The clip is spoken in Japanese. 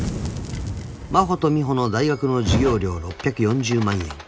［真帆と美帆の大学の授業料６４０万円］